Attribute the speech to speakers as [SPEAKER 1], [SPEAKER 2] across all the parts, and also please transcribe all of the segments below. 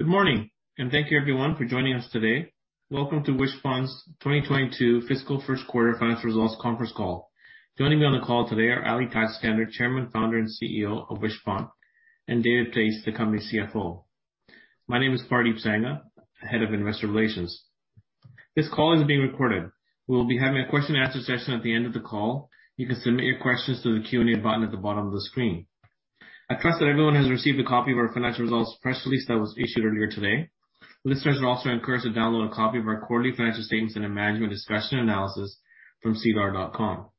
[SPEAKER 1] Good morning, and thank you everyone for joining us today. Welcome to Wishpond's 2022 fiscal first quarter financial results conference call. Joining me on the call today are Ali Tajskandar, Chairman, Founder, and CEO of Wishpond, and David Pais, the company's CFO. My name is Pardeep Sangha, Head of Investor Relations. This call is being recorded. We will be having a question-and-answer session at the end of the call. You can submit your questions through the Q&A button at the bottom of the screen. I trust that everyone has received a copy of our financial results press release that was issued earlier today. Listeners are also encouraged to download a copy of our quarterly financial statements and a management discussion analysis from SEDAR.com.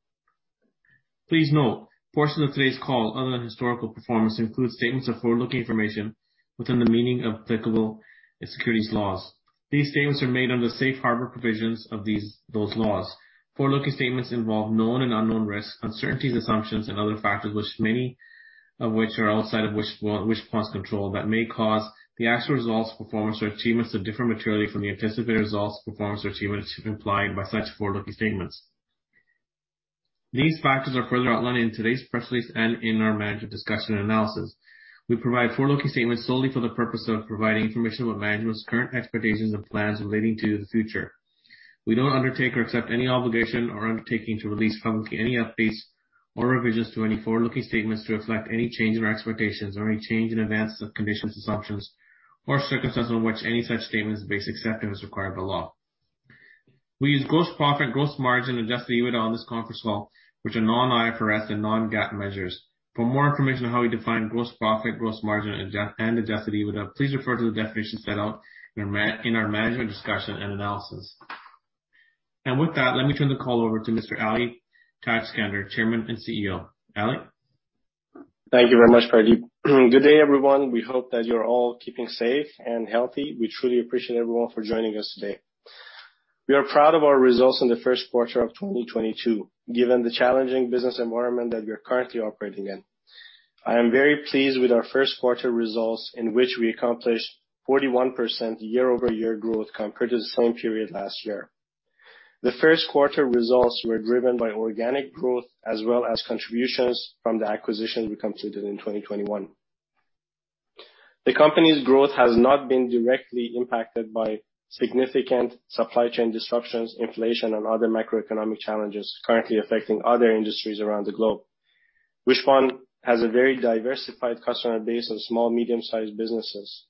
[SPEAKER 1] Please note, portions of today's call, other than historical performance, include statements of forward-looking information within the meaning of applicable securities laws. These statements are made under the safe harbor provisions of these, those laws. Forward-looking statements involve known and unknown risks, uncertainties, assumptions, and other factors which many of which are outside of Wishpond's control that may cause the actual results, performance, or achievements to differ materially from the anticipated results, performance, or achievements implied by such forward-looking statements. These factors are further outlined in today's press release and in our management discussion and analysis. We provide forward-looking statements solely for the purpose of providing information about management's current expectations and plans relating to the future. We don't undertake or accept any obligation or undertaking to release publicly any updates or revisions to any forward-looking statements to reflect any change in our expectations or any change in events or conditions, assumptions, or circumstances on which any such statement is based, except as required by law. We use gross profit, gross margin, adjusted EBITDA on this conference call, which are non-IFRS and non-GAAP measures. For more information on how we define gross profit, gross margin, and adjusted EBITDA, please refer to the definition set out in our management discussion and analysis. With that, let me turn the call over to Mr. Ali Tajskandar, Chairman and CEO. Ali?
[SPEAKER 2] Thank you very much, Pardeep. Good day, everyone. We hope that you're all keeping safe and healthy. We truly appreciate everyone for joining us today. We are proud of our results in the first quarter of 2022, given the challenging business environment that we are currently operating in. I am very pleased with our first quarter results, in which we accomplished 41% year-over-year growth compared to the same period last year. The first quarter results were driven by organic growth as well as contributions from the acquisition we completed in 2021. The company's growth has not been directly impacted by significant supply chain disruptions, inflation, and other macroeconomic challenges currently affecting other industries around the globe. Wishpond has a very diversified customer base of small, medium-sized businesses,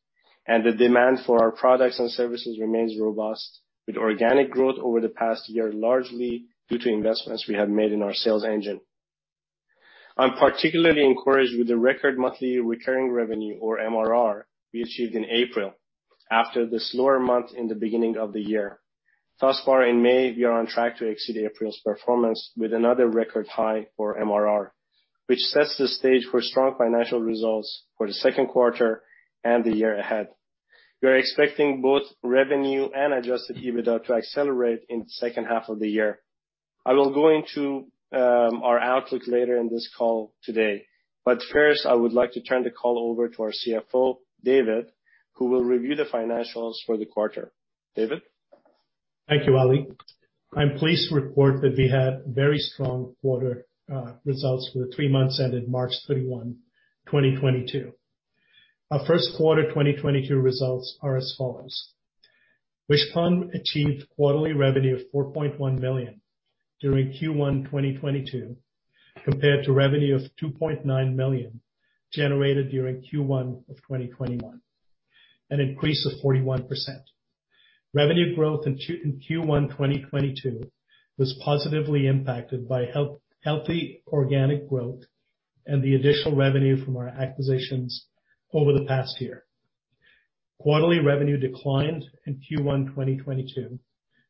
[SPEAKER 2] and the demand for our products and services remains robust, with organic growth over the past year, largely due to investments we have made in our sales engine. I'm particularly encouraged with the record monthly recurring revenue or MRR we achieved in April after the slower month in the beginning of the year. Thus far in May, we are on track to exceed April's performance with another record high for MRR, which sets the stage for strong financial results for the second quarter and the year ahead. We are expecting both revenue and adjusted EBITDA to accelerate in the second half of the year. I will go into our outlook later in this call today, but first, I would like to turn the call over to our CFO, David, who will review the financials for the quarter. David?
[SPEAKER 3] Thank you, Ali. I'm pleased to report that we had very strong quarter results for the three months ended March 31, 2022. Our first quarter 2022 results are as follows. Wishpond achieved quarterly revenue of 4.1 million during Q1 2022, compared to revenue of 2.9 million generated during Q1 of 2021, an increase of 41%. Revenue growth in Q1 2022 was positively impacted by healthy organic growth and the additional revenue from our acquisitions over the past year. Quarterly revenue declined in Q1 2022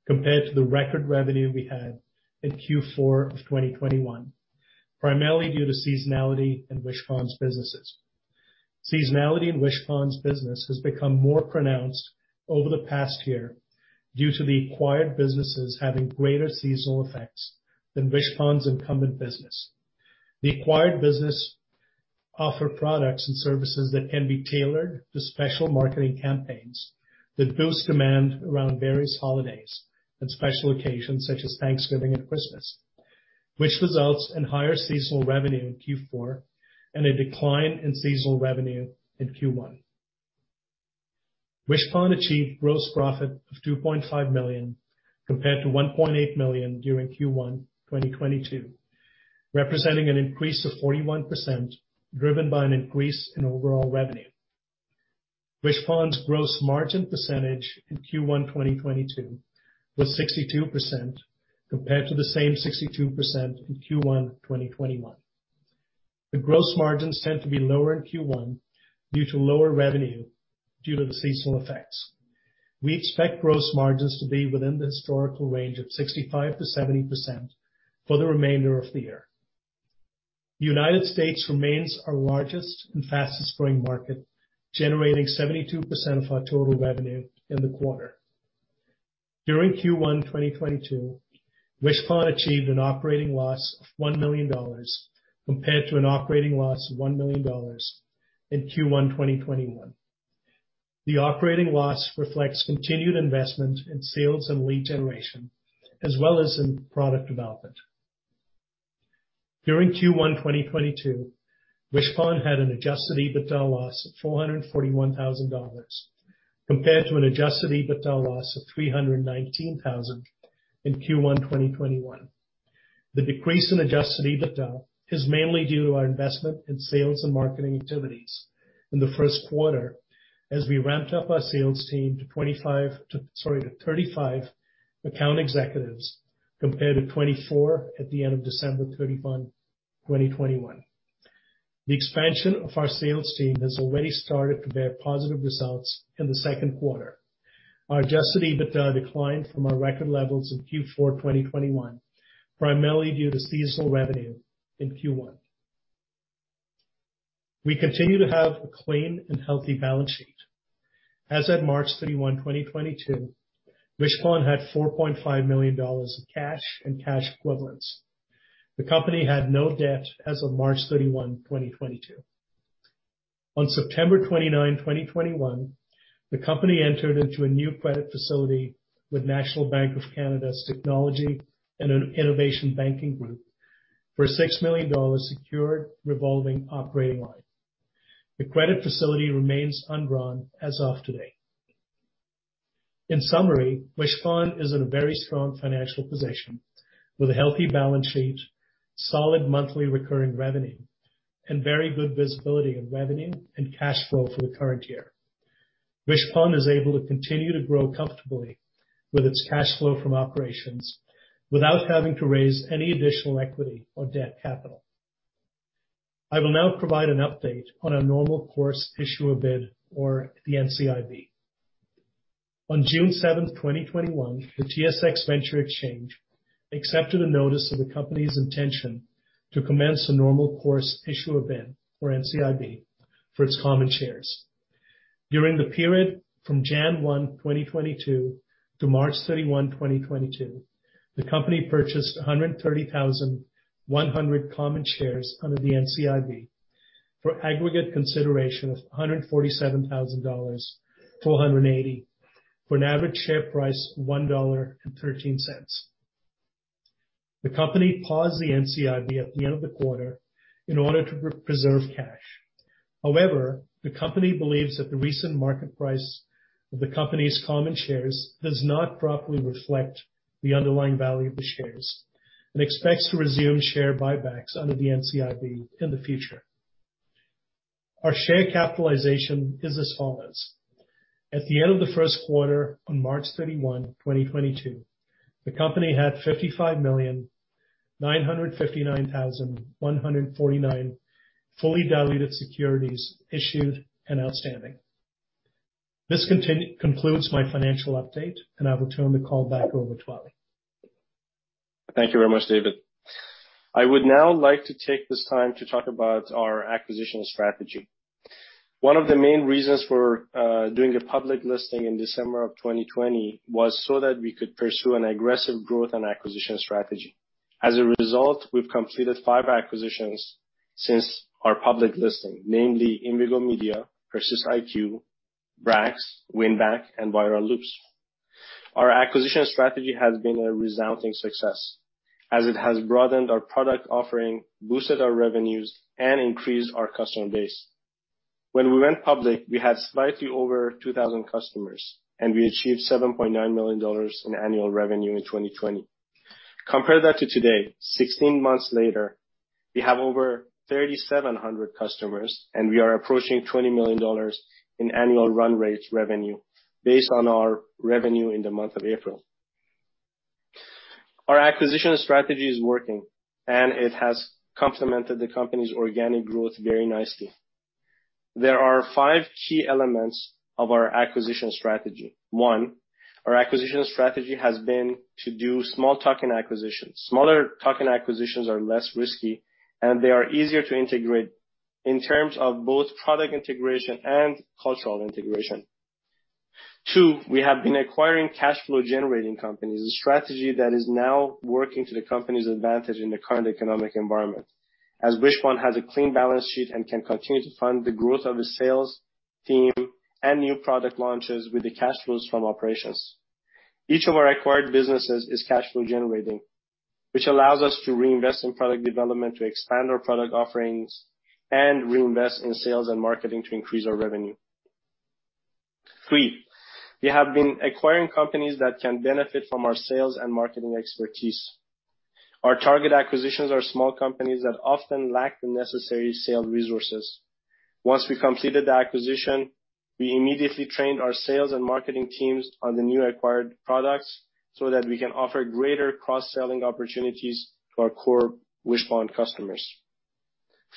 [SPEAKER 3] compared to the record revenue we had in Q4 of 2021, primarily due to seasonality in Wishpond's businesses. Seasonality in Wishpond's business has become more pronounced over the past year due to the acquired businesses having greater seasonal effects than Wishpond's incumbent business. The acquired business offer products and services that can be tailored to special marketing campaigns that boost demand around various holidays and special occasions such as Thanksgiving and Christmas, which results in higher seasonal revenue in Q4 and a decline in seasonal revenue in Q1. Wishpond achieved gross profit of 2.5 million compared to 1.8 million during Q1 2022, representing an increase of 41%, driven by an increase in overall revenue. Wishpond's gross margin percentage in Q1 2022 was 62%, compared to the same 62% in Q1 2021. The gross margins tend to be lower in Q1 due to lower revenue due to the seasonal effects. We expect gross margins to be within the historical range of 65%-70% for the remainder of the year. The United States remains our largest and fastest growing market, generating 72% of our total revenue in the quarter. During Q1 2022, Wishpond achieved an operating loss of 1 million dollars compared to an operating loss of 1 million dollars in Q1 2021. The operating loss reflects continued investment in sales and lead generation, as well as in product development. During Q1 2022, Wishpond had an adjusted EBITDA loss of 441,000 dollars compared to an adjusted EBITDA loss of 319,000 in Q1 2021. The decrease in adjusted EBITDA is mainly due to our investment in sales and marketing activities in the first quarter as we ramped up our sales team to 35 account executives, compared to 24 at the end of December 31, 2021. The expansion of our sales team has already started to bear positive results in the second quarter. Our adjusted EBITDA declined from our record levels in Q4 2021, primarily due to seasonal revenue in Q1. We continue to have a clean and healthy balance sheet. As at March 31, 2022, Wishpond had 4.5 million dollars of cash and cash equivalents. The company had no debt as of March 31, 2022. On September 29, 2021, the company entered into a new credit facility with National Bank of Canada's Technology and Innovation Banking Group for a 6 million dollars secured revolving operating line. The credit facility remains undrawn as of today. In summary, Wishpond is in a very strong financial position with a healthy balance sheet, solid monthly recurring revenue, and very good visibility of revenue and cash flow for the current year. Wishpond is able to continue to grow comfortably with its cash flow from operations without having to raise any additional equity or debt capital. I will now provide an update on our normal course issuer bid or the NCIB. On June 7, 2021, the TSX Venture Exchange accepted a notice of the company's intention to commence a normal course issuer bid or NCIB for its common shares. During the period from January 1, 2022 to March 31, 2022, the company purchased 130,100 common shares under the NCIB for aggregate consideration of 147,000 dollars for an average share price of 1.13. The company paused the NCIB at the end of the quarter in order to preserve cash. However, the company believes that the recent market price of the company's common shares does not properly reflect the underlying value of the shares and expects to resume share buybacks under the NCIB in the future. Our share capitalization is as follows. At the end of the first quarter on March 31, 2022, the company had 55,959,149 fully diluted securities issued and outstanding. This concludes my financial update, and I will turn the call back over to Ali.
[SPEAKER 2] Thank you very much, David. I would now like to take this time to talk about our acquisition strategy. One of the main reasons for doing a public listing in December of 2020 was so that we could pursue an aggressive growth and acquisition strategy. As a result, we've completed five acquisitions since our public listing, namely Invigo Media, PersistIQ, Brax, Winback, and Viral Loops. Our acquisition strategy has been a resounding success as it has broadened our product offering, boosted our revenues, and increased our customer base. When we went public, we had slightly over 2,000 customers, and we achieved $7.9 million in annual revenue in 2020. Compare that to today, 16 months later, we have over 3,700 customers, and we are approaching $20 million in annual run rate revenue based on our revenue in the month of April. Our acquisition strategy is working, and it has complemented the company's organic growth very nicely. There are five key elements of our acquisition strategy. One, our acquisition strategy has been to do small tuck-in acquisitions. Smaller tuck-in acquisitions are less risky, and they are easier to integrate in terms of both product integration and cultural integration. Two, we have been acquiring cash flow generating companies, a strategy that is now working to the company's advantage in the current economic environment, as Wishpond has a clean balance sheet and can continue to fund the growth of its sales team and new product launches with the cash flows from operations. Each of our acquired businesses is cash flow generating, which allows us to reinvest in product development, to expand our product offerings, and reinvest in sales and marketing to increase our revenue. Three, we have been acquiring companies that can benefit from our sales and marketing expertise. Our target acquisitions are small companies that often lack the necessary sales resources. Once we completed the acquisition, we immediately trained our sales and marketing teams on the new acquired products so that we can offer greater cross-selling opportunities to our core Wishpond customers.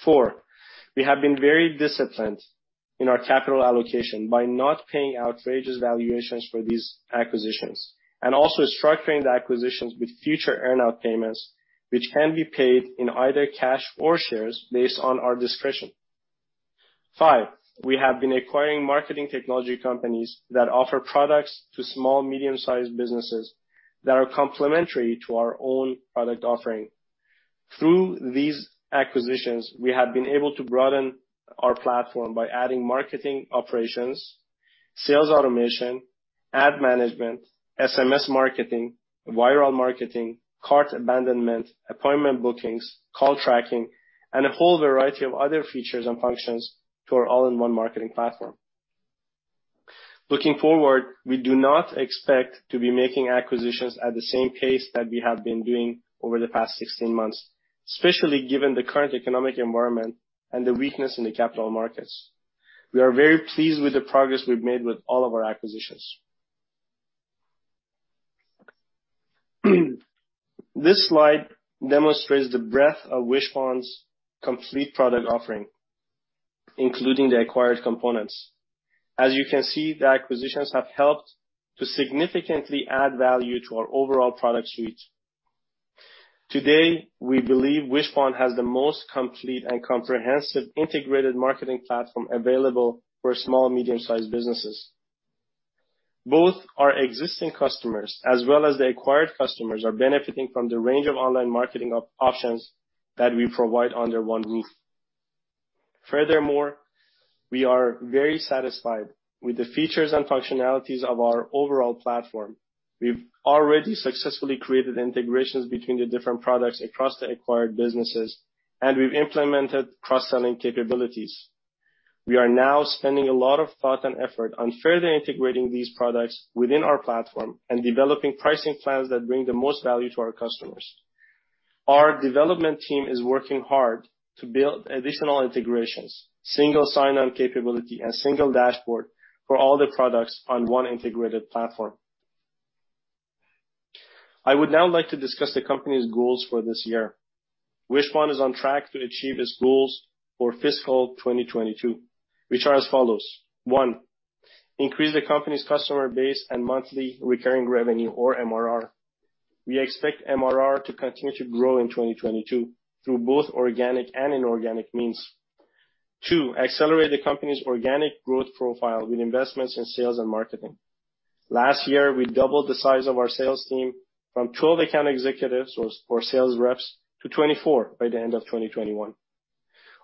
[SPEAKER 2] Four, we have been very disciplined in our capital allocation by not paying outrageous valuations for these acquisitions and also structuring the acquisitions with future earn-out payments, which can be paid in either cash or shares based on our discretion. Five, we have been acquiring marketing technology companies that offer products to small, medium-sized businesses that are complementary to our own product offering. Through these acquisitions, we have been able to broaden our platform by adding marketing operations, sales automation, ad management, SMS marketing, viral marketing, cart abandonment, appointment bookings, call tracking, and a whole variety of other features and functions to our all-in-one marketing platform. Looking forward, we do not expect to be making acquisitions at the same pace that we have been doing over the past 16 months, especially given the current economic environment and the weakness in the capital markets. We are very pleased with the progress we've made with all of our acquisitions. This slide demonstrates the breadth of Wishpond's complete product offering, including the acquired components. As you can see, the acquisitions have helped to significantly add value to our overall product suite. Today, we believe Wishpond has the most complete and comprehensive integrated marketing platform available for small and medium-sized businesses. Both our existing customers, as well as the acquired customers, are benefiting from the range of online marketing options that we provide under one roof. Furthermore, we are very satisfied with the features and functionalities of our overall platform. We've already successfully created integrations between the different products across the acquired businesses, and we've implemented cross-selling capabilities. We are now spending a lot of thought and effort on further integrating these products within our platform and developing pricing plans that bring the most value to our customers. Our development team is working hard to build additional integrations, single sign-on capability, and single dashboard for all the products on one integrated platform. I would now like to discuss the company's goals for this year. Wishpond is on track to achieve its goals for fiscal 2022, which are as follows. One, increase the company's customer base and monthly recurring revenue or MRR. We expect MRR to continue to grow in 2022 through both organic and inorganic means. Two, accelerate the company's organic growth profile with investments in sales and marketing. Last year, we doubled the size of our sales team from 12 account executives or sales reps to 24 by the end of 2021.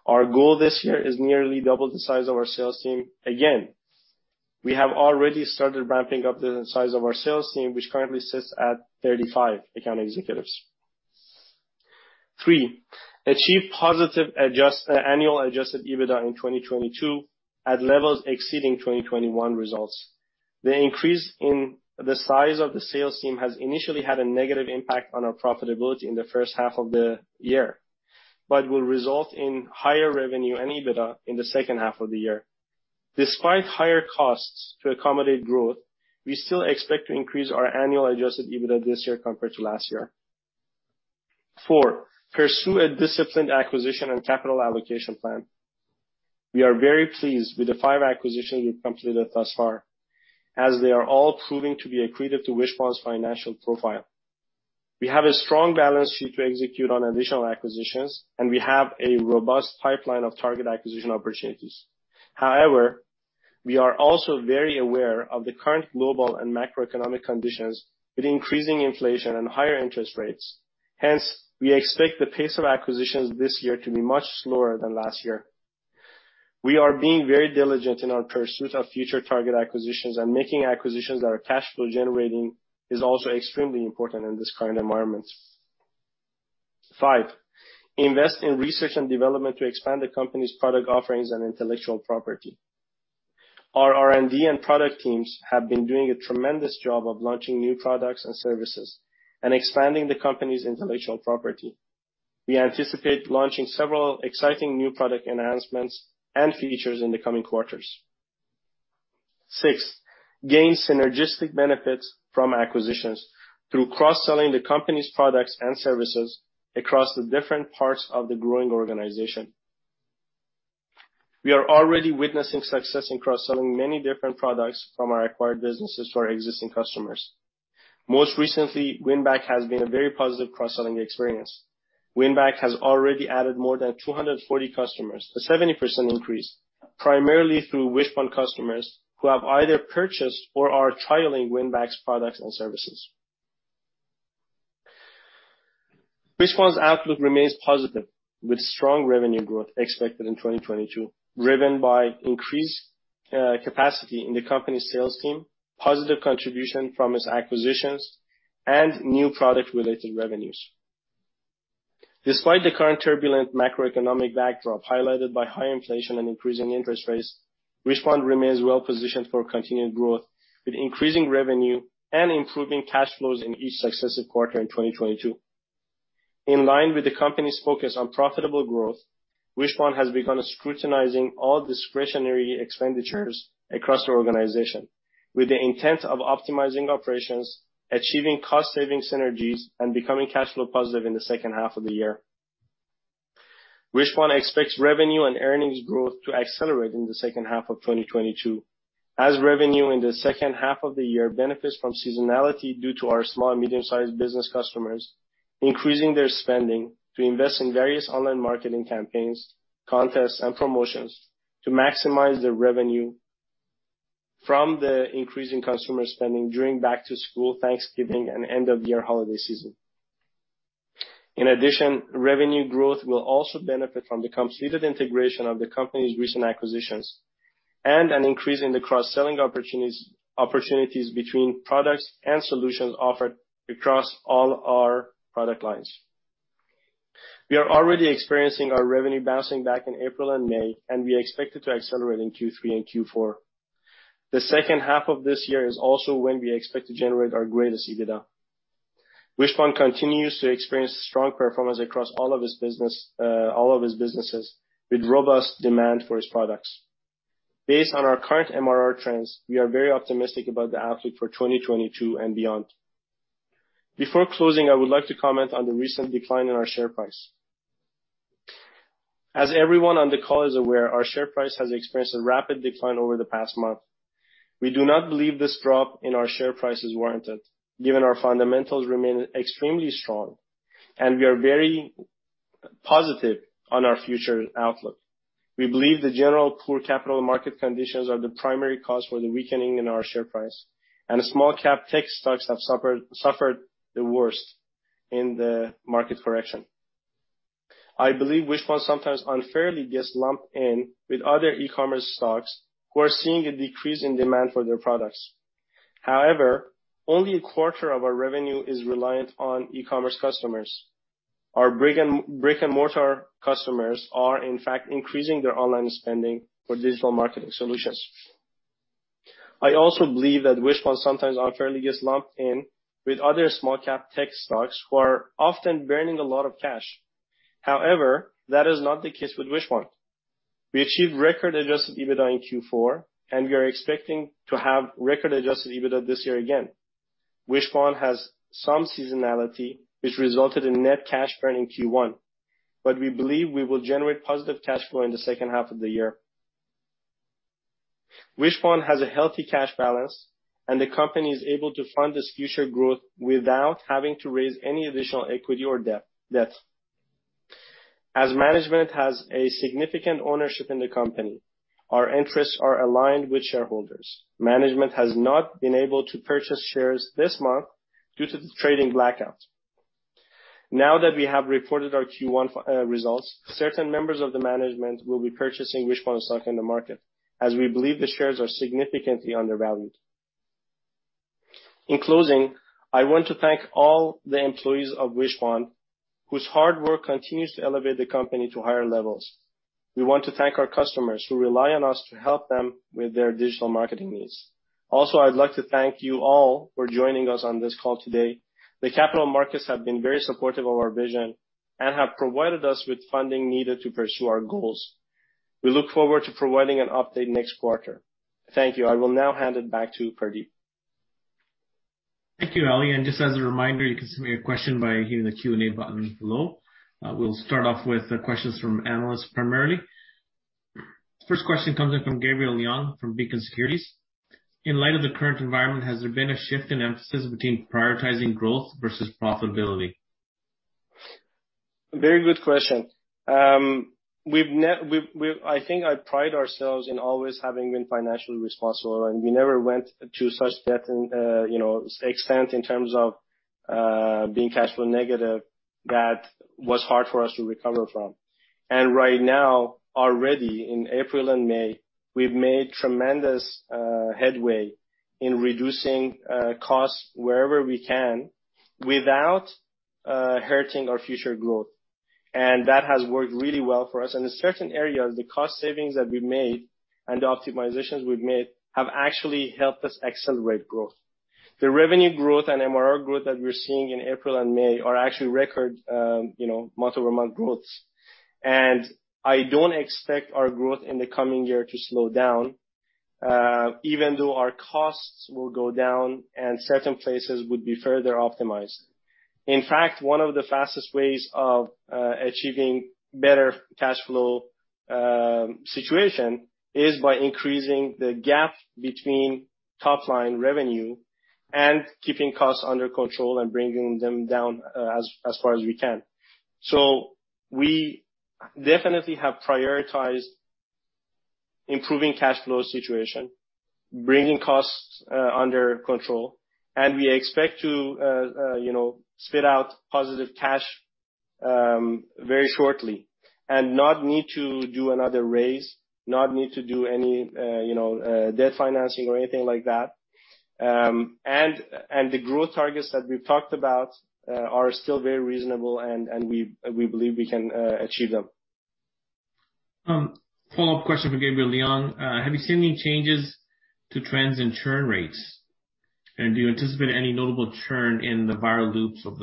[SPEAKER 2] Our goal this year is nearly double the size of our sales team again. We have already started ramping up the size of our sales team, which currently sits at 35 account executives. Three, achieve positive annual adjusted EBITDA in 2022 at levels exceeding 2021 results. The increase in the size of the sales team has initially had a negative impact on our profitability in the first half of the year, but will result in higher revenue and EBITDA in the second half of the year. Despite higher costs to accommodate growth, we still expect to increase our annual adjusted EBITDA this year compared to last year. Four, pursue a disciplined acquisition and capital allocation plan. We are very pleased with the five acquisitions we've completed thus far, as they are all proving to be accretive to Wishpond's financial profile. We have a strong balance sheet to execute on additional acquisitions, and we have a robust pipeline of target acquisition opportunities. However, we are also very aware of the current global and macroeconomic conditions with increasing inflation and higher interest rates. Hence, we expect the pace of acquisitions this year to be much slower than last year. We are being very diligent in our pursuit of future target acquisitions and making acquisitions that are cash flow generating is also extremely important in this current environment. Five, invest in research and development to expand the company's product offerings and intellectual property. Our R&D and product teams have been doing a tremendous job of launching new products and services and expanding the company's intellectual property. We anticipate launching several exciting new product enhancements and features in the coming quarters. Six, gain synergistic benefits from acquisitions through cross-selling the company's products and services across the different parts of the growing organization. We are already witnessing success in cross-selling many different products from our acquired businesses to our existing customers. Most recently, Winback has been a very positive cross-selling experience. Winback has already added more than 240 customers, a 70% increase, primarily through Wishpond customers who have either purchased or are trialing Winback's products and services. Wishpond's outlook remains positive, with strong revenue growth expected in 2022, driven by increased capacity in the company's sales team, positive contribution from its acquisitions, and new product-related revenues. Despite the current turbulent macroeconomic backdrop highlighted by high inflation and increasing interest rates, Wishpond remains well-positioned for continued growth, with increasing revenue and improving cash flows in each successive quarter in 2022. In line with the company's focus on profitable growth, Wishpond has begun scrutinizing all discretionary expenditures across the organization with the intent of optimizing operations, achieving cost-saving synergies, and becoming cash flow positive in the second half of the year. Wishpond expects revenue and earnings growth to accelerate in the second half of 2022, as revenue in the second half of the year benefits from seasonality due to our small and medium-sized business customers increasing their spending to invest in various online marketing campaigns, contests, and promotions to maximize their revenue from the increase in consumer spending during back-to-school, Thanksgiving, and end-of-year holiday season. In addition, revenue growth will also benefit from the completed integration of the company's recent acquisitions and an increase in the cross-selling opportunities between products and solutions offered across all our product lines. We are already experiencing our revenue bouncing back in April and May, and we expect it to accelerate in Q3 and Q4. The second half of this year is also when we expect to generate our greatest EBITDA. Wishpond continues to experience strong performance across all of its businesses, with robust demand for its products. Based on our current MRR trends, we are very optimistic about the outlook for 2022 and beyond. Before closing, I would like to comment on the recent decline in our share price. As everyone on the call is aware, our share price has experienced a rapid decline over the past month. We do not believe this drop in our share price is warranted, given our fundamentals remain extremely strong, and we are very positive on our future outlook. We believe the general poor capital market conditions are the primary cause for the weakening in our share price, and the small cap tech stocks have suffered the worst in the market correction. I believe Wishpond sometimes unfairly gets lumped in with other e-commerce stocks who are seeing a decrease in demand for their products. However, only a quarter of our revenue is reliant on e-commerce customers. Our brick-and-mortar customers are in fact increasing their online spending for digital marketing solutions. I also believe that Wishpond sometimes unfairly gets lumped in with other small-cap tech stocks who are often burning a lot of cash. However, that is not the case with Wishpond. We achieved record adjusted EBITDA in Q4, and we are expecting to have record adjusted EBITDA this year again. Wishpond has some seasonality, which resulted in net cash burn in Q1, but we believe we will generate positive cash flow in the second half of the year. Wishpond has a healthy cash balance, and the company is able to fund its future growth without having to raise any additional equity or debt. As management has a significant ownership in the company, our interests are aligned with shareholders. Management has not been able to purchase shares this month due to the trading blackout. Now that we have reported our Q1 results, certain members of the management will be purchasing Wishpond stock in the market, as we believe the shares are significantly undervalued. In closing, I want to thank all the employees of Wishpond whose hard work continues to elevate the company to higher levels. We want to thank our customers who rely on us to help them with their digital marketing needs. Also, I'd like to thank you all for joining us on this call today. The capital markets have been very supportive of our vision and have provided us with funding needed to pursue our goals. We look forward to providing an update next quarter. Thank you. I will now hand it back to Pardeep.
[SPEAKER 1] Thank you, Ali. Just as a reminder, you can submit a question by hitting the Q&A button below. We'll start off with the questions from analysts primarily. First question comes in from Gabriel Leung from Beacon Securities. In light of the current environment, has there been a shift in emphasis between prioritizing growth versus profitability?
[SPEAKER 2] Very good question. I think I pride ourselves in always having been financially responsible, and we never went to such debt and, you know, extent in terms of, being cash flow negative that was hard for us to recover from. Right now, already in April and May, we've made tremendous headway in reducing costs wherever we can without hurting our future growth. That has worked really well for us. In certain areas, the cost savings that we've made and the optimizations we've made have actually helped us accelerate growth. The revenue growth and MRR growth that we're seeing in April and May are actually record month-over-month growth. I don't expect our growth in the coming year to slow down, even though our costs will go down and certain places would be further optimized. In fact, one of the fastest ways of achieving better cash flow situation is by increasing the gap between top-line revenue and keeping costs under control and bringing them down, as far as we can. We definitely have prioritized improving cash flow situation, bringing costs under control, and we expect to, you know, spit out positive cash very shortly and not need to do another raise, not need to do any, you know, debt financing or anything like that. The growth targets that we've talked about are still very reasonable and we believe we can achieve them.
[SPEAKER 1] Follow-up question for Gabriel Leung. Have you seen any changes to trends in churn rates? Do you anticipate any notable churn in the Viral Loops over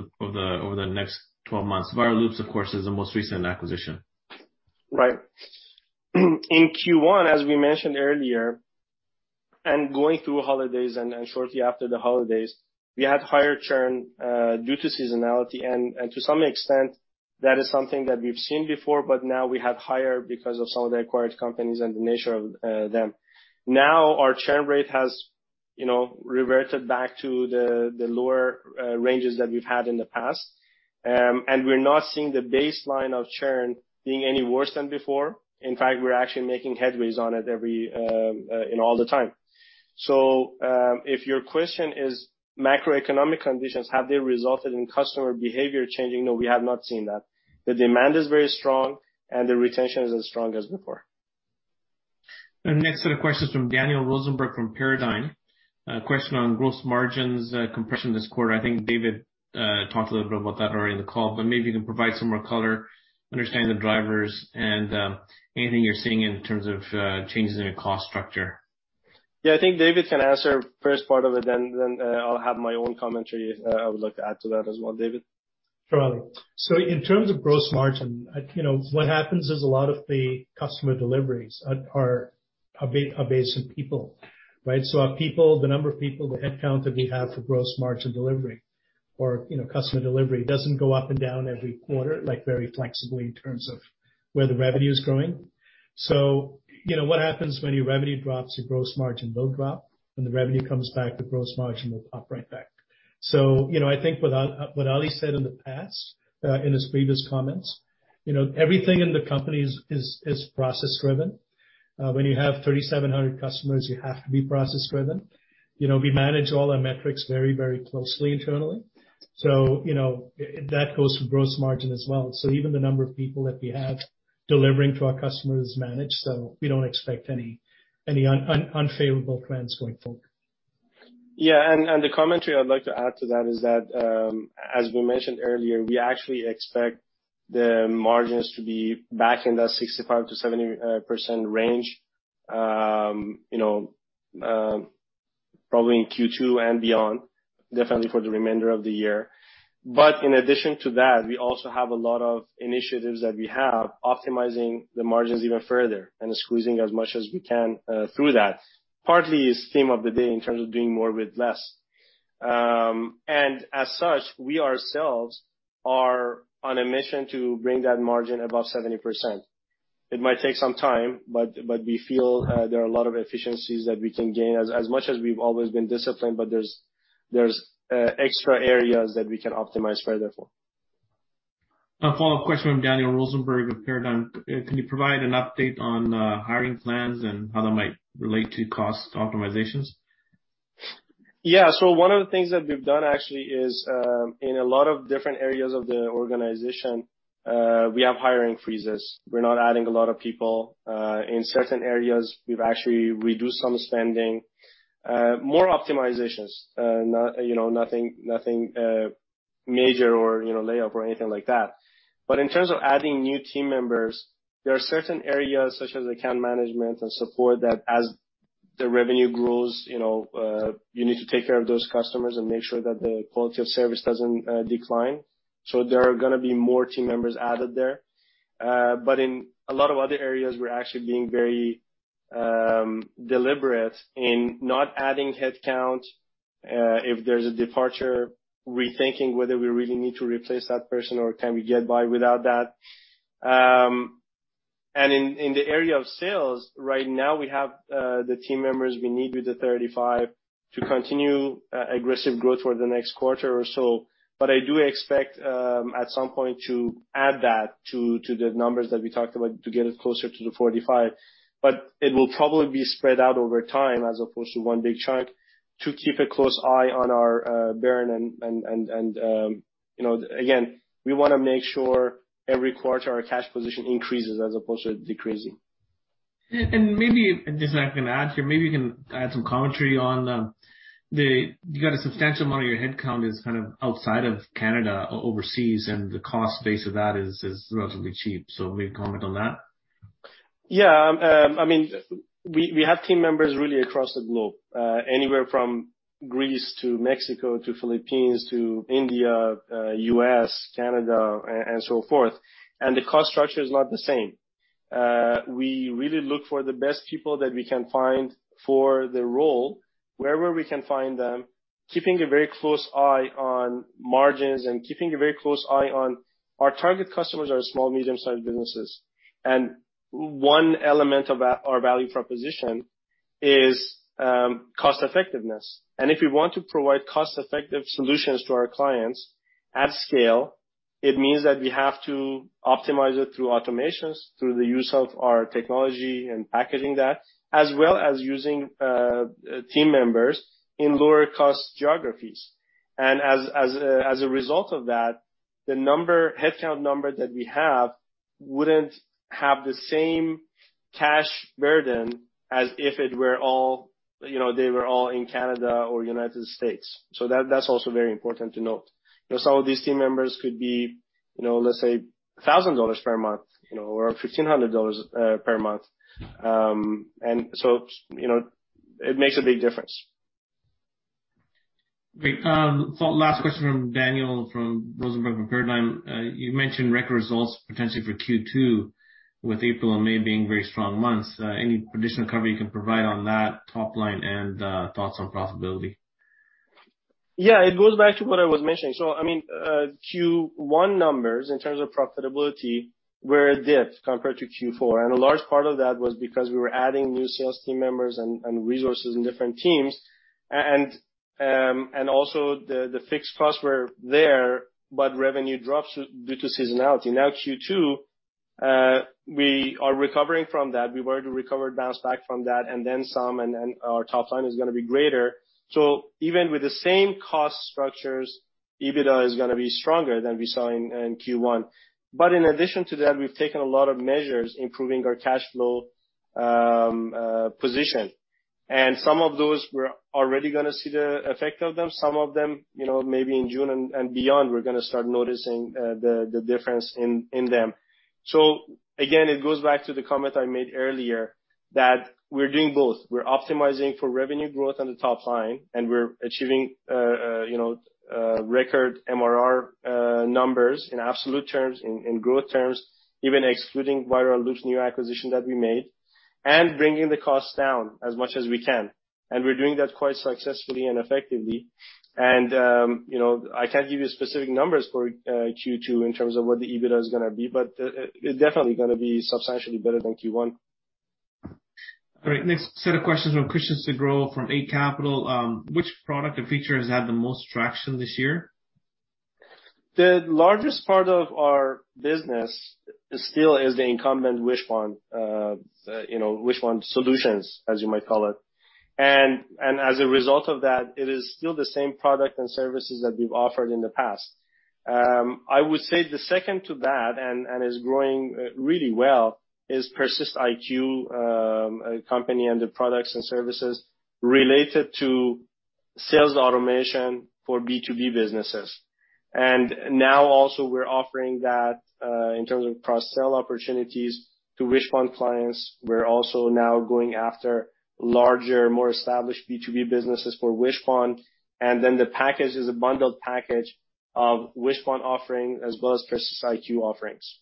[SPEAKER 1] the next 12 months? Viral Loops, of course, is the most recent acquisition.
[SPEAKER 2] Right. In Q1, as we mentioned earlier, and going through holidays and shortly after the holidays, we had higher churn due to seasonality. To some extent, that is something that we've seen before, but now we have higher because of some of the acquired companies and the nature of them. Now our churn rate has, you know, reverted back to the lower ranges that we've had in the past. We're not seeing the baseline of churn being any worse than before. In fact, we're actually making headways on it every you know all the time. If your question is macroeconomic conditions, have they resulted in customer behavior changing? No, we have not seen that. The demand is very strong and the retention is as strong as before.
[SPEAKER 1] The next set of questions from Daniel Rosenberg from Paradigm. A question on gross margins compression this quarter. I think David talked a little bit about that already in the call, but maybe you can provide some more color, understand the drivers and anything you're seeing in terms of changes in your cost structure.
[SPEAKER 2] Yeah, I think David can answer first part of it, then, I'll have my own commentary I would like to add to that as well. David?
[SPEAKER 3] Sure. In terms of gross margin, you know, what happens is a lot of the customer deliveries are based on people, right? Our people, the number of people, the headcount that we have for gross margin delivery or, you know, customer delivery doesn't go up and down every quarter, like very flexibly in terms of where the revenue is growing. You know, what happens when your revenue drops, your gross margin will drop. When the revenue comes back, the gross margin will go up right back. You know, I think what Ali said in the past, in his previous comments, you know, everything in the company is process driven. When you have 3,700 customers, you have to be process driven. You know, we manage all our metrics very, very closely internally. You know, that goes for gross margin as well. Even the number of people that we have delivering to our customers is managed, so we don't expect any unfavorable trends going forward.
[SPEAKER 2] Yeah, the commentary I'd like to add to that is that, as we mentioned earlier, we actually expect the margins to be back in that 65%-70% range, you know, probably in Q2 and beyond, definitely for the remainder of the year. In addition to that, we also have a lot of initiatives that we have optimizing the margins even further and squeezing as much as we can through that. Part of the theme of the day in terms of doing more with less. As such, we ourselves are on a mission to bring that margin above 70%. It might take some time, but we feel there are a lot of efficiencies that we can gain. As much as we've always been disciplined, but there's extra areas that we can optimize further for.
[SPEAKER 1] A follow-up question from Daniel Rosenberg with Paradigm Capital. Can you provide an update on hiring plans and how that might relate to cost optimizations?
[SPEAKER 2] Yeah. One of the things that we've done actually is, in a lot of different areas of the organization, we have hiring freezes. We're not adding a lot of people. In certain areas, we've actually reduced some spending, more optimizations, not, you know, nothing major or, you know, layoffs or anything like that. In terms of adding new team members, there are certain areas such as account management and support that as the revenue grows, you know, you need to take care of those customers and make sure that the quality of service doesn't decline. There are gonna be more team members added there. In a lot of other areas, we're actually being very deliberate in not adding headcount. If there's a departure, rethinking whether we really need to replace that person or can we get by without that. In the area of sales, right now we have the team members we need with the 35 to continue aggressive growth for the next quarter or so. I do expect at some point to add that to the numbers that we talked about to get us closer to the 45. It will probably be spread out over time as opposed to one big chunk to keep a close eye on our burn rate. Again, we want to make sure every quarter our cash position increases as opposed to decreasing.
[SPEAKER 1] Maybe, just gonna add here, maybe you can add some commentary on, you got a substantial amount of your headcount is kind of outside of Canada or overseas, and the cost base of that is relatively cheap. Maybe comment on that.
[SPEAKER 2] I mean, we have team members really across the globe, anywhere from Greece to Mexico to Philippines to India, U.S., Canada, and so forth, and the cost structure is not the same. We really look for the best people that we can find for the role wherever we can find them, keeping a very close eye on margins and keeping a very close eye on our target customers. Our target customers are small, medium-sized businesses, and one element of our value proposition is cost effectiveness. If we want to provide cost-effective solutions to our clients at scale, it means that we have to optimize it through automations, through the use of our technology and packaging that, as well as using team members in lower cost geographies. As a result of that, the headcount number that we have wouldn't have the same cash burden as if it were all, you know, they were all in Canada or United States. That's also very important to note. You know, some of these team members could be, you know, let's say 1,000 dollars per month, you know, or 1,500 dollars per month. You know, it makes a big difference.
[SPEAKER 1] Great. Last question from Daniel Rosenberg from Paradigm. You mentioned record results potentially for Q2 with April and May being very strong months. Any additional color you can provide on that top line and thoughts on profitability?
[SPEAKER 2] Yeah. It goes back to what I was mentioning. I mean, Q1 numbers in terms of profitability were a dip compared to Q4, and a large part of that was because we were adding new sales team members and resources in different teams. Also the fixed costs were there, but revenue drops due to seasonality. Now, Q2, we are recovering from that. We were to recover bounce back from that and then some, and then our top line is gonna be greater. Even with the same cost structures, EBITDA is gonna be stronger than we saw in Q1. In addition to that, we've taken a lot of measures improving our cash flow position. Some of those we're already gonna see the effect of them. Some of them, maybe in June and beyond, we're gonna start noticing the difference in them. Again, it goes back to the comment I made earlier that we're doing both. We're optimizing for revenue growth on the top line, and we're achieving record MRR numbers in absolute terms, in growth terms, even excluding Viral Loops' new acquisition that we made, and bringing the costs down as much as we can. We're doing that quite successfully and effectively. I can't give you specific numbers for Q2 in terms of what the EBITDA is gonna be, but it's definitely gonna be substantially better than Q1.
[SPEAKER 1] All right, next set of questions from Christian Sgro from Eight Capital. Which product or feature has had the most traction this year?
[SPEAKER 2] The largest part of our business still is the incumbent Wishpond, you know, Wishpond Solutions, as you might call it. As a result of that, it is still the same product and services that we've offered in the past. I would say the second to that is growing really well, is PersistIQ company and the products and services related to sales automation for B2B businesses. Now also we're offering that in terms of cross-sell opportunities to Wishpond clients. We're also now going after larger, more established B2B businesses for Wishpond. Then the package is a bundled package of Wishpond offering as well as PersistIQ offerings.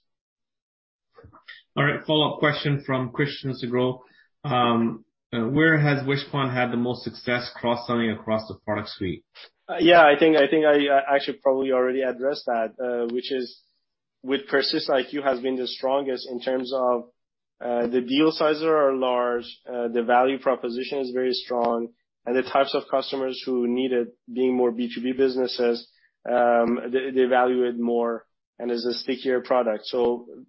[SPEAKER 1] All right, follow-up question from Christian Sgro. Where has Wishpond had the most success cross-selling across the product suite?
[SPEAKER 2] Yeah, I think I actually probably already addressed that, which is with PersistIQ has been the strongest in terms of, the deal sizes are large, the value proposition is very strong, and the types of customers who need it being more B2B businesses, they value it more, and is a stickier product.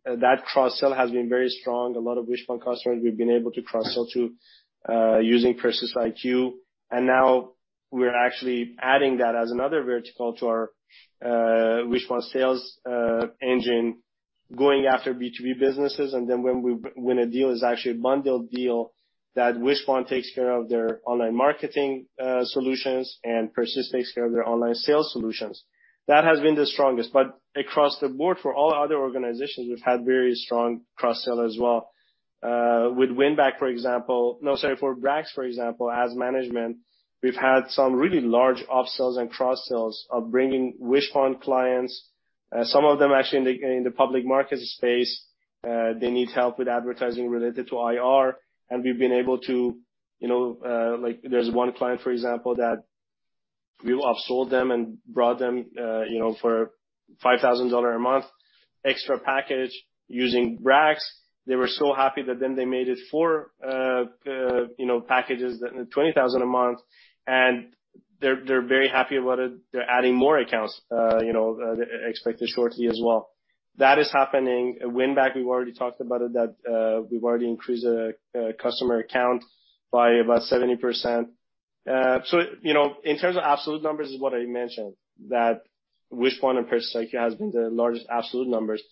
[SPEAKER 2] That cross-sell has been very strong. A lot of Wishpond customers we've been able to cross-sell to, using PersistIQ. Now we're actually adding that as another vertical to our, Wishpond sales, engine going after B2B businesses. Then when a deal is actually a bundled deal that Wishpond takes care of their online marketing, solutions and PersistIQ takes care of their online sales solutions. That has been the strongest. Across the board for all other organizations, we've had very strong cross-sell as well. With Brax, for example, as management, we've had some really large upsells and cross-sells of bringing Wishpond clients, some of them actually in the public market space, they need help with advertising related to IR, and we've been able to, you know, like there's one client, for example, that we've upsold them and brought them, you know, for 5,000-dollar-a-month extra package using Brax. They were so happy that then they made it four, you know, packages at 20,000 a month, and they're very happy about it. They're adding more accounts, you know, expected shortly as well. That is happening. Winback, we've already talked about it, that we've already increased customer accounts by about 70%. So, you know, in terms of absolute numbers is what I mentioned, that Wishpond and PersistIQ has been the largest absolute numbers.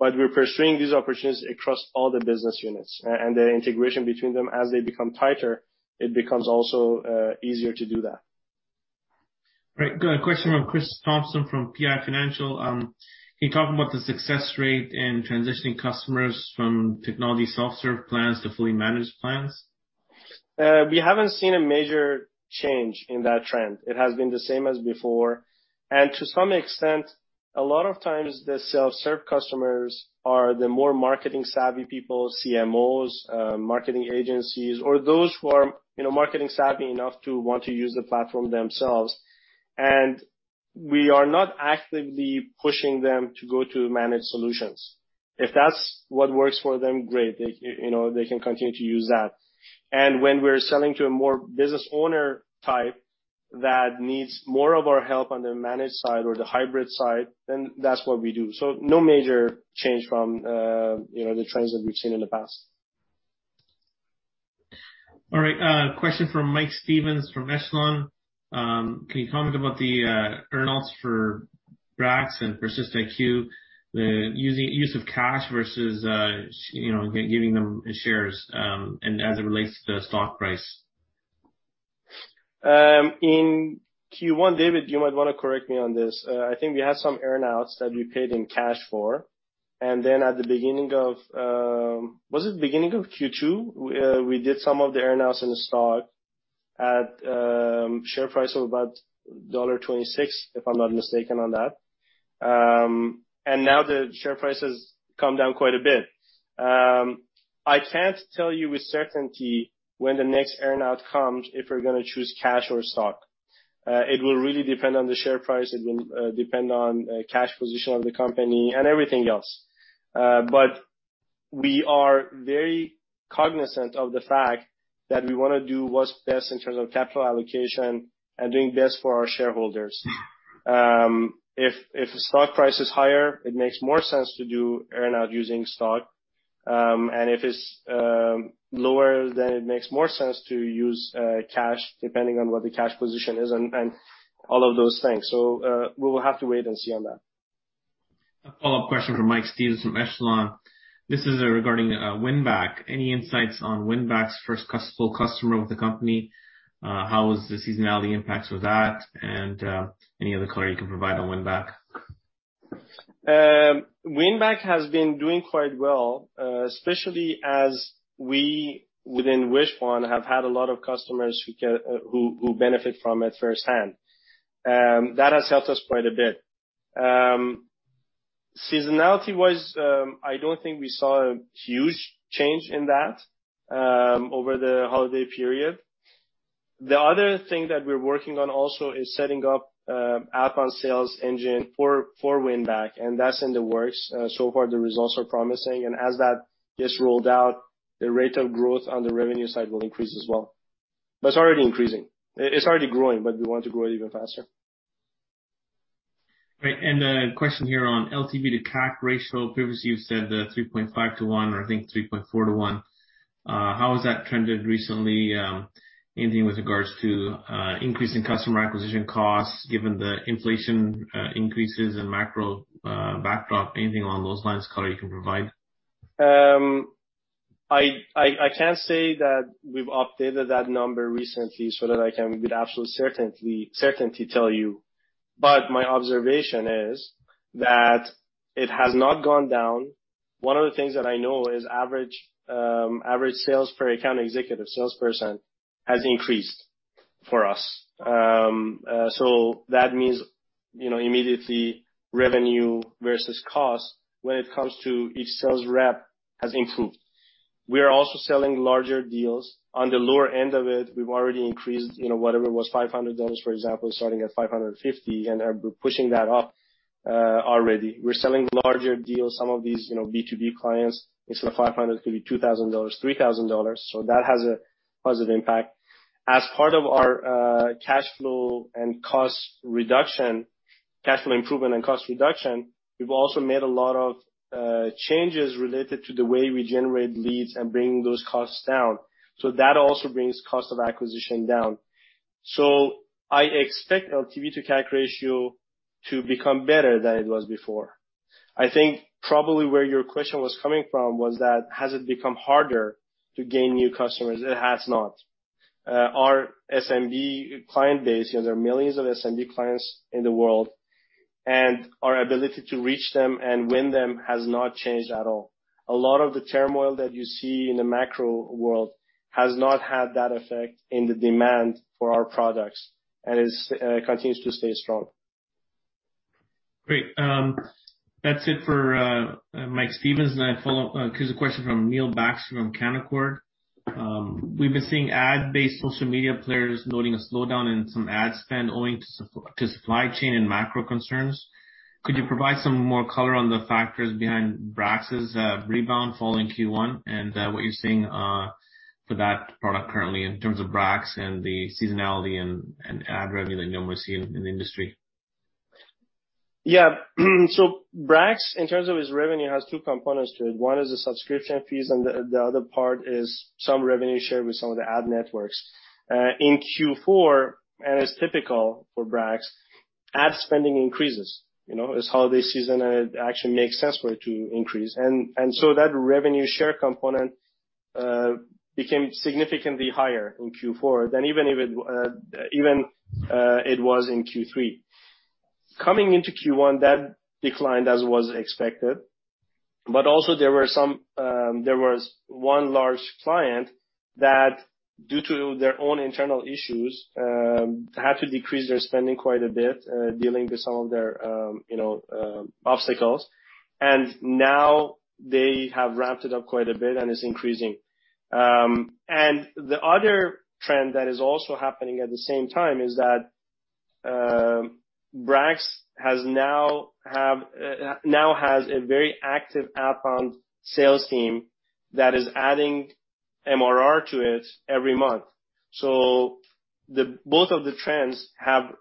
[SPEAKER 2] We're pursuing these opportunities across all the business units. The integration between them as they become tighter, it becomes also easier to do that.
[SPEAKER 1] All right, good. Question from Chris Thompson from PI Financial. Can you talk about the success rate in transitioning customers from technology self-serve plans to fully managed plans?
[SPEAKER 2] We haven't seen a major change in that trend. It has been the same as before. To some extent, a lot of times the self-serve customers are the more marketing savvy people, CMOs, marketing agencies, or those who are, you know, marketing savvy enough to want to use the platform themselves. We are not actively pushing them to go to managed solutions. If that's what works for them, great. They, you know, they can continue to use that. When we're selling to a more business owner type that needs more of our help on the managed side or the hybrid side, then that's what we do. No major change from, you know, the trends that we've seen in the past.
[SPEAKER 1] All right. Question from Mike Stevens from Echelon. Can you comment about the earnouts for Brax and PersistIQ, the use of cash versus giving them shares, and as it relates to the stock price?
[SPEAKER 2] In Q1, David, you might wanna correct me on this. I think we had some earnouts that we paid in cash for. At the beginning of, was it the beginning of Q2, we did some of the earnouts in stock at share price of about dollar 1.26, if I'm not mistaken on that. Now the share price has come down quite a bit. I can't tell you with certainty when the next earnout comes, if we're gonna choose cash or stock. It will really depend on the share price. It will depend on cash position of the company and everything else. We are very cognizant of the fact that we wanna do what's best in terms of capital allocation and doing best for our shareholders. If stock price is higher, it makes more sense to do earnout using stock. If it's lower, it makes more sense to use cash depending on what the cash position is and all of those things. We will have to wait and see on that.
[SPEAKER 1] A follow-up question from Mike Stevens from Echelon. This is regarding Winback. Any insights on Winback's first full customer with the company? How the seasonality impacts with that, and any other color you can provide on Winback?
[SPEAKER 2] Winback has been doing quite well, especially as we within Wishpond have had a lot of customers who benefit from it firsthand. That has helped us quite a bit. Seasonality-wise, I don't think we saw a huge change in that over the holiday period. The other thing that we're working on also is setting up a phone sales engine for Winback, and that's in the works. So far the results are promising, and as that gets rolled out, the rate of growth on the revenue side will increase as well. It's already increasing. It's already growing, but we want to grow it even faster.
[SPEAKER 1] Right. A question here on LTV-to-CAC ratio. Previously you've said, 3.5 to 1, or I think 3.4 to 1. How has that trended recently? Anything with regards to increase in customer acquisition costs given the inflation increases and macro backdrop? Anything along those lines, color you can provide?
[SPEAKER 2] I can't say that we've updated that number recently so that I can with absolute certainty tell you, but my observation is that it has not gone down. One of the things that I know is average sales per account executive, salesperson, has increased for us. That means, you know, immediately revenue versus cost when it comes to each sales rep has improved. We are also selling larger deals. On the lower end of it, we've already increased, you know, whatever was 500 dollars, for example, starting at 550, and we're pushing that up already. We're selling larger deals. Some of these, you know, B2B clients, instead of 500 could be 2,000 dollars, 3,000 dollars. That has a positive impact. As part of our cash flow improvement and cost reduction, we've also made a lot of changes related to the way we generate leads and bringing those costs down. That also brings cost of acquisition down. I expect LTV-to-CAC ratio to become better than it was before. I think probably where your question was coming from was that has it become harder to gain new customers? It has not. Our SMB client base, you know, there are millions of SMB clients in the world, and our ability to reach them and win them has not changed at all. A lot of the turmoil that you see in the macro world has not had that effect in the demand for our products, and it continues to stay strong.
[SPEAKER 1] Great. That's it for Mike Stevens. I have a follow-up, here's question from Neil Bakshi from Canaccord. We've been seeing ad-based social media players noting a slowdown in some ad spend owing to supply chain and macro concerns. Could you provide some more color on the factors behind Brax's rebound following Q1, and what you're seeing for that product currently in terms of Brax and the seasonality and ad revenue that, you know, we're seeing in the industry?
[SPEAKER 2] Yeah. Brax, in terms of its revenue, has two components to it. One is the subscription fees and the other part is some revenue shared with some of the ad networks. In Q4, it's typical for Brax, ad spending increases, you know? It's holiday season, and it actually makes sense for it to increase. That revenue share component became significantly higher in Q4 than even it was in Q3. Coming into Q1, that declined as was expected. There was one large client that, due to their own internal issues, had to decrease their spending quite a bit, dealing with some of their obstacles. Now they have ramped it up quite a bit, and it's increasing. The other trend that is also happening at the same time is that Brax now has a very active upon sales team that is adding MRR to it every month. Both of the trends have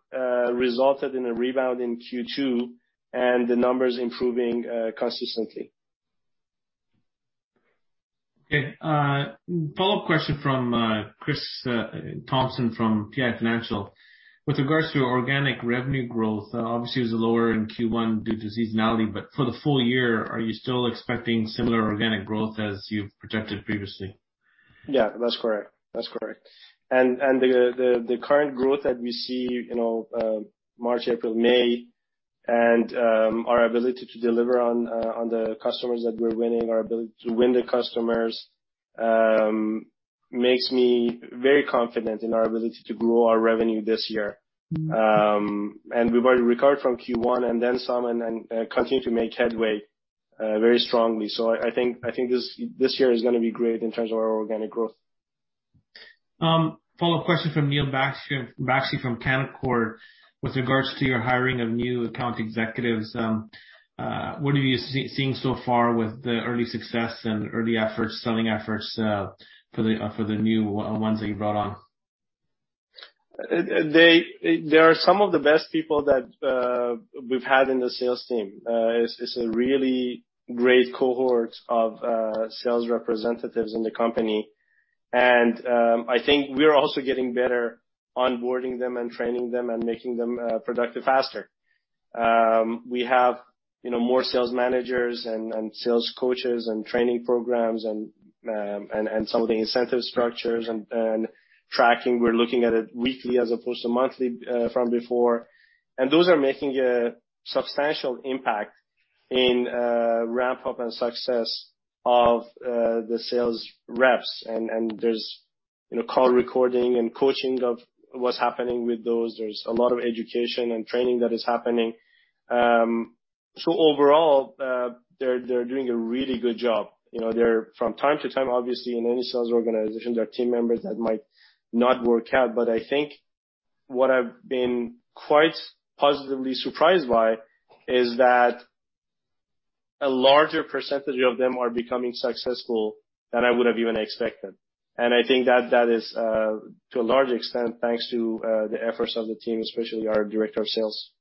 [SPEAKER 2] resulted in a rebound in Q2 and the numbers improving consistently.
[SPEAKER 1] Okay. Follow-up question from Chris Thompson from PI Financial. With regards to organic revenue growth, obviously it was lower in Q1 due to seasonality, but for the full year, are you still expecting similar organic growth as you've projected previously?
[SPEAKER 2] Yeah, that's correct. The current growth that we see, you know, March, April, May, and our ability to deliver on the customers that we're winning, our ability to win the customers makes me very confident in our ability to grow our revenue this year. We've already recovered from Q1 and then some and continue to make headway very strongly. I think this year is gonna be great in terms of our organic growth.
[SPEAKER 1] Follow-up question from Neil Bakshi from Canaccord. With regards to your hiring of new account executives, what are you seeing so far with the early success and early efforts, selling efforts, for the new ones that you brought on?
[SPEAKER 2] They are some of the best people that we've had in the sales team. It's a really great cohort of sales representatives in the company. I think we're also getting better onboarding them and training them and making them productive faster. We have, you know, more sales managers and sales coaches and training programs and some of the incentive structures and tracking. We're looking at it weekly as opposed to monthly from before. Those are making a substantial impact in ramp-up and success of the sales reps. There's, you know, call recording and coaching of what's happening with those. There's a lot of education and training that is happening. Overall, they're doing a really good job. You know, they're-- From time to time, obviously, in any sales organization, there are team members that might not work out. I think what I've been quite positively surprised by is that a larger percentage of them are becoming successful than I would have even expected. I think that is, to a large extent, thanks to the efforts of the team, especially our director of sales.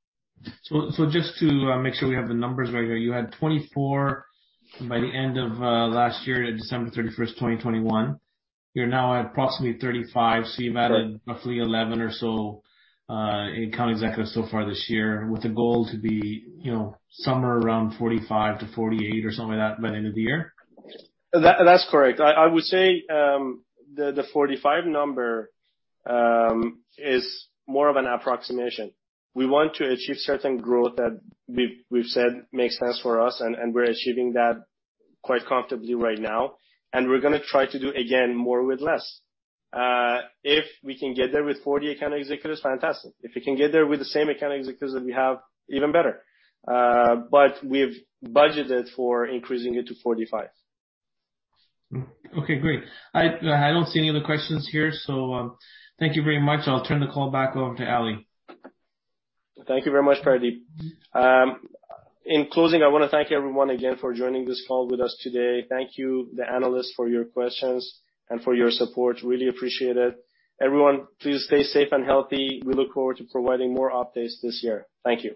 [SPEAKER 1] Just to make sure we have the numbers right here. You had 24 by the end of last year, December 31, 2021. You're now at approximately 35. You've added roughly 11 or so account executives so far this year with the goal to be, you know, somewhere around 45-48 or something like that by the end of the year.
[SPEAKER 2] That's correct. I would say the 45 number is more of an approximation. We want to achieve certain growth that we've said makes sense for us, and we're achieving that quite comfortably right now. We're gonna try to do again more with less. If we can get there with 40 account executives, fantastic. If we can get there with the same account executives that we have, even better. But we've budgeted for increasing it to 45.
[SPEAKER 1] Okay, great. I don't see any other questions here, so, thank you very much. I'll turn the call back over to Ali.
[SPEAKER 2] Thank you very much, Pardeep. In closing, I wanna thank everyone again for joining this call with us today. Thank you, the analysts, for your questions and for your support. Really appreciate it. Everyone, please stay safe and healthy. We look forward to providing more updates this year. Thank you.